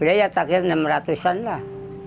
udah ya takutnya rp enam ratus an lah